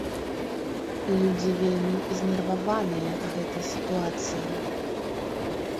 Людзі вельмі знерваваныя гэтай сітуацыяй.